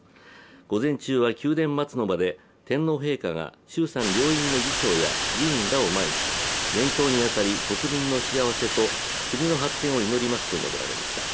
午前中は宮殿・松の間で天皇陛下が衆参両院の議長や議員らを前に、念頭に当たり国民の幸せと国の発展を祈りますと述べられました。